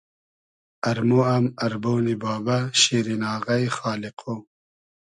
ارمۉ ام ارمۉنی بابۂ ، شیرین آغݷ ، خالیقۉ